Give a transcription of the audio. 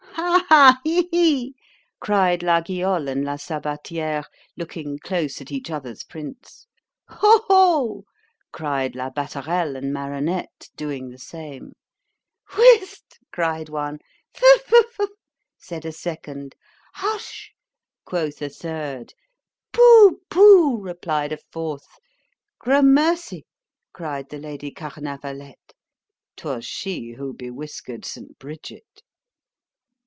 Ha, ha! he, hee! cried La Guyol and La Sabatiere, looking close at each other's prints——Ho, ho! cried La Battarelle and Maronette, doing the same:—Whist! cried one—ft, ft,—said a second—hush, quoth a third—poo, poo, replied a fourth—gramercy! cried the Lady Carnavallette;——'twas she who bewhisker'd St. _Bridget.